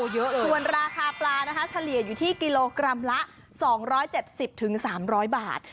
ส่วนราคาปลาเฉลี่ยอยู่ที่กิโลกรัมละ๒๗๐๓๐๐บาท